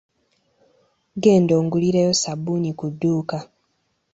Genda ongulireyo ssabuuni ku dduuka.